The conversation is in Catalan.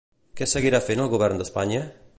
Què seguirà fent el govern d'Espanya?